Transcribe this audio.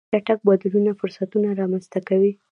چټک بدلونونه فرصتونه رامنځته کوي.